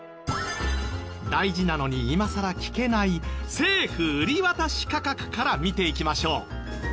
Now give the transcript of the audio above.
大事なのに今さら聞けない「政府売渡価格」から見ていきましょう。